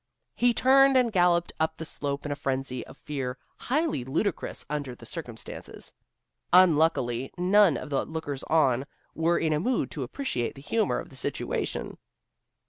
He turned and galloped up the slope in a frenzy of fear highly ludicrous under the circumstances. Unluckily none of the lookers on were in a mood to appreciate the humor of the situation.